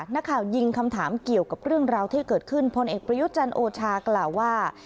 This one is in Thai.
นักข่าวยิงคำถามเกี่ยวกับเรื่องราวที่เกิดขึ้นพลเอกประยุทธ์จันทร์โอชากล่าวว่า